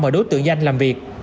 mở đối tượng danh làm việc